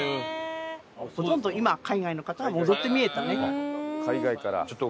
ほとんど今海外の方は戻ってみえたね。